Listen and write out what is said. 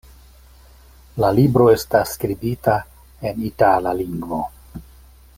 La libro estas skribita en itala lingvo.